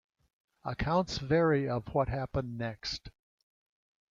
Accounts vary of what happened next.